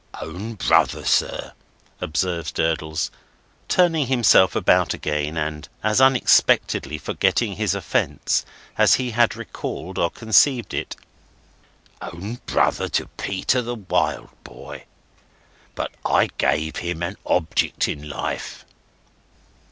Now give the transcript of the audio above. "Own brother, sir," observes Durdles, turning himself about again, and as unexpectedly forgetting his offence as he had recalled or conceived it; "own brother to Peter the Wild Boy! But I gave him an object in life."